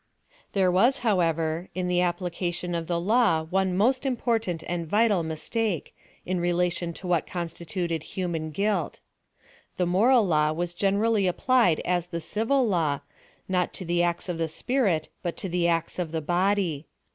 There was, however, in the application of the Iaw one most important and vital mistake, in rela tion to what constituted human oruilt. The moral law was generally applied as the civil law, not to the acts of the spirit, but to the acts of the body.